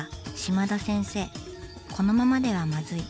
「このままではまずい」。